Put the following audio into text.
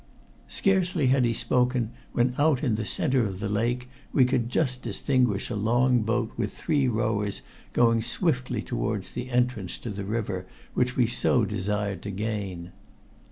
Scarcely had he spoken when out in the center of the lake we could just distinguish a long boat with three rowers going swiftly towards the entrance to the river, which we so desired to gain.